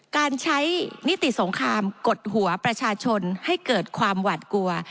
การใช้นิติสงครามกดหัวประชาชนให้เกิดความหวัดกลัว